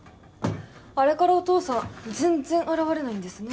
あれからお父さん全然現れないんですね。